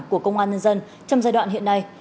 của công an nhân dân trong giai đoạn hiện nay